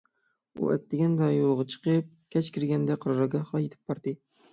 ئۇ ئەتىگەندە يولغا چىقىپ، كەچ كىرگەندە قارارگاھقا يېتىپ باردى.